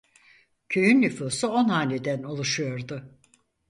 Köyün nüfusu on haneden oluşuyordu.